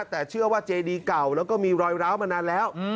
แต่เชื่อว่าเจดีเก่าแล้วก็มีรอยร้าวมานานแล้ว